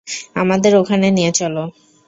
আমাদের ওখানে নিয়ে চলো।